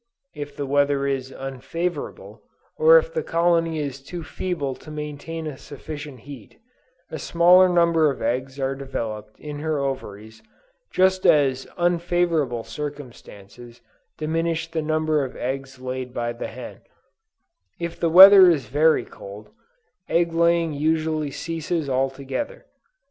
If the weather is unfavorable, or if the colony is too feeble to maintain sufficient heat, a smaller number of eggs are developed in her ovaries, just as unfavorable circumstances diminish the number of eggs laid by the hen; if the weather is very cold, egg laying usually ceases altogether.